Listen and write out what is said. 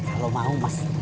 kalau mau mas